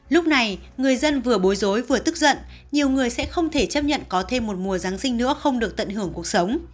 lúc này người dân vừa bối rối vừa tức giận nhiều người sẽ không thể chấp nhận có thêm một mùa giáng sinh nữa không được tận hưởng cuộc sống